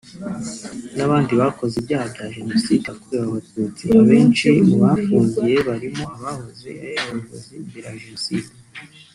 n’abandi bakoze ibyaha bya Jenocide yakorewe abatutsi abenshi mu bahafungiye barimo abahoze ari abayobozi mbere ya Jenoside